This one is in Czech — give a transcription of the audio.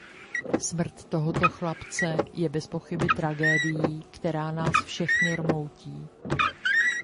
Smrt tohoto chlapce je bezpochyby tragédií, která nás všechny rmoutí.